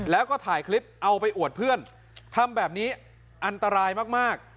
แล้วก็ถ่ายคลิปเอาไปอวดเพื่อนทำแบบนี้อันตรายมาก